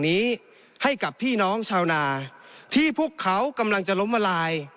นี้ให้กับพี่น้องชาวนาที่พวกเขากำลังจะล้มละลาย